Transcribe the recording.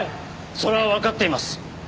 それはわかっています。